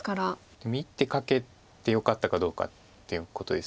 でも１手かけてよかったどうかっていうことです。